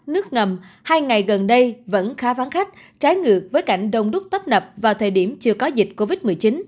nước ngầm hai ngày gần đây vẫn khá vắng khách trái ngược với cảnh đông đúc tấp nập vào thời điểm chưa có dịch covid một mươi chín